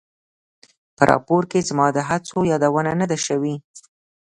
په راپور کې زما د هڅو یادونه نه ده شوې.